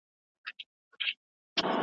هغه سړی چې باغبان دی ډېر کار کوي.